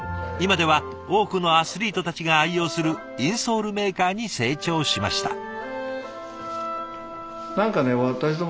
今では多くのアスリートたちが愛用するインソールメーカーに成長しました。